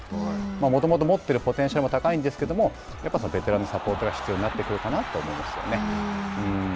もともと持っているポテンシャルも高いんですけどやっぱりベテランのサポートが必要になってくるかなと思いますよね。